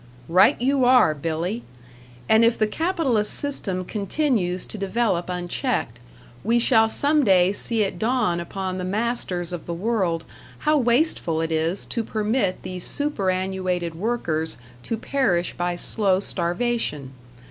Right you are, Billy! And if the capitalist system continues to develop unchecked, we shall some day see it dawn upon the masters of the world how wasteful it is to permit the superannuated workers to perish by slow starvation.